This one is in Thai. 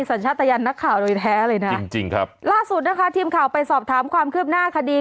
สัญชาติยานนักข่าวโดยแท้เลยนะจริงจริงครับล่าสุดนะคะทีมข่าวไปสอบถามความคืบหน้าคดี